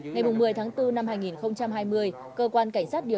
ngày một mươi tháng bốn năm hai nghìn hai mươi